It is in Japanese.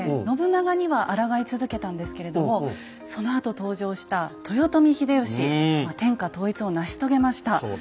信長にはあらがい続けたんですけれどもそのあと登場した豊臣秀吉天下統一を成し遂げました。